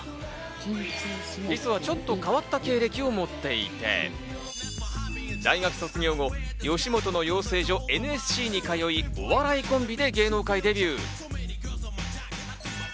実はちょっと変わった経歴を持っていて、大学卒業後、よしもとの養成所・ＮＳＣに通い、お笑いコンビで芸能界デビュー。